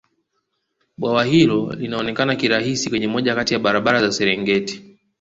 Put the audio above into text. bwawa hilo linaonekana kirahisi kwenye moja Kati ya barabara za serengeti